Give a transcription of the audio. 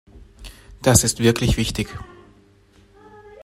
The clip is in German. Das ist wirklich wichtig.